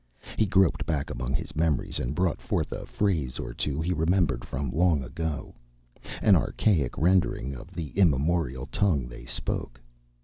He groped back among his memories and brought forth a phrase or two remembered from long ago, an archaic rendering of the immemorial tongue they spoke.